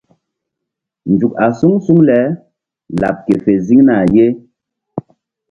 Nzuk a suŋ suŋ le laɓ ke fe ziŋ na ye.